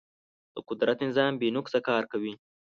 د قدرت نظام بې نقصه کار کوي.